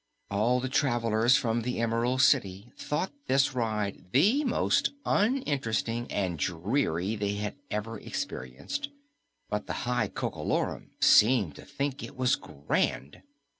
All the travelers from the Emerald City thought this ride the most uninteresting and dreary they had ever experienced, but the High Coco Lorum seemed to think it was grand.